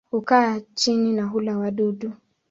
Hukaa chini na hula wadudu.